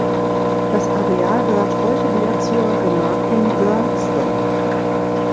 Das Areal gehört heute wieder zur Gemarkung Görlsdorf.